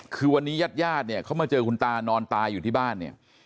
คือวันนี้ญาติญาติเนี่ยเขามาเจอคุณตานอนตายอยู่ที่บ้านเนี่ย